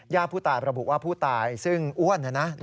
ผู้ตายประบุว่าผู้ตายซึ่งอ้วนนะนะ